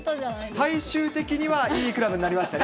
最終的にはいいグラブになりましたね。